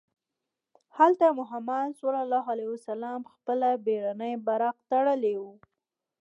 هلته محمد صلی الله علیه وسلم خپله بېړنۍ براق تړلې وه.